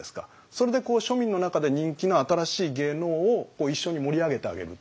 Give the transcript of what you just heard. それで庶民の中で人気の新しい芸能を一緒に盛り上げてあげる。